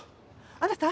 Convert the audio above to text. あなた？